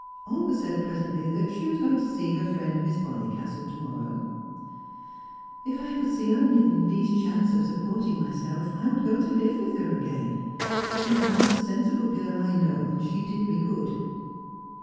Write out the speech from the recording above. Olga said presently that she was going to see her friend Miss Bonnicastle to morrow. "If I could see only the least chance of supporting myself, I would go to live with her again. She's the most sensible girl I know, and she did me good."